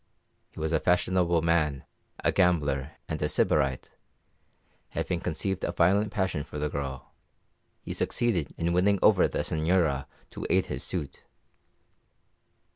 He was a fashionable man, a gambler, and a Sybarite, and, having conceived a violent passion for the girl, he succeeded in winning over the señora to aid his suit.